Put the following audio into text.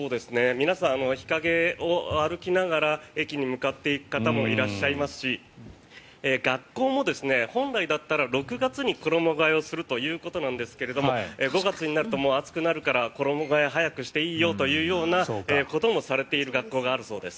皆さん日陰を歩きながら駅に向かっていく方もいらっしゃいますし学校も本来だったら６月に衣替えするということなんですが５月になると暑くなるから衣替え早くしていいよということもされている学校もあるようです。